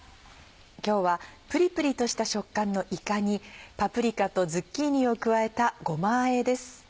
今日はプリプリとした食感のいかにパプリカとズッキーニを加えたごまあえです。